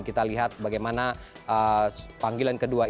kita lihat bagaimana panggilan kedua